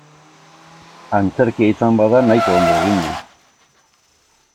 Antzerkia izan bada nahiko ondo egin du.